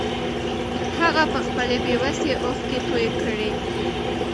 هغه په خپلې بې وسۍ اوښکې توې کړې.